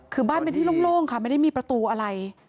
คือบ้านเป็นที่โล่งค่ะไม่ได้มีประตูอะไร